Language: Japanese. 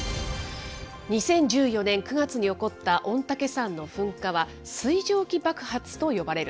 ２０１４年９月に起こった御岳山の噴火は水蒸気爆発と呼ばれる。